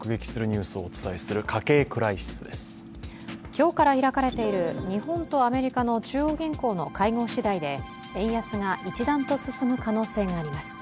今日から開かれている日本とアメリカの中央銀行の会合次第で円安が一段と進む可能性があります。